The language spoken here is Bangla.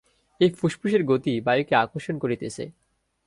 এই ফুসফুসের গতি বায়ুকে আকর্ষণ করিতেছে।